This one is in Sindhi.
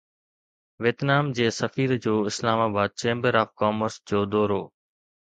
ويٽنام جي سفير جو Islamabad chamber of commerce جو دورو